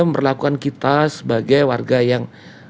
memperlakukan kita sebagai warga yang